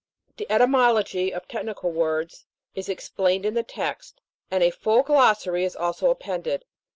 The etymology of technical words is explained in the text ; and a full Glossary is also appended.